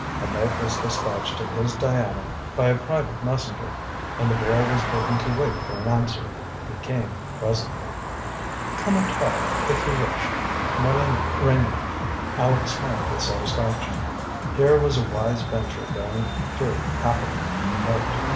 A note was despatched to his Diana by a private messenger, and the boy was bidden to wait for an answer. It came presently: "Come at twelve, if you wish. "MELANIE REYNIER." Aleck smiled with satisfaction. Here was a wise venture going through happily, he hoped.